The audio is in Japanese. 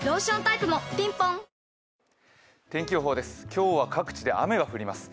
今日は各地で雨が降ります。